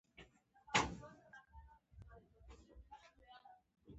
بامونه یې تقریباً یو له بل سره لګېدلي دي.